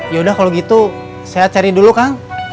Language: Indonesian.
yaudah kalau gitu saya cari dulu kang